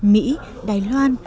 mỹ đài loan